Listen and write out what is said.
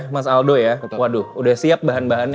mas aldo ya waduh udah siap bahan bahannya